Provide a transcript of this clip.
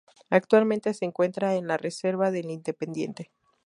Actualmente se encuentra en la Reserva del Independiente.